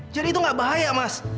jadi itu gak bahaya mas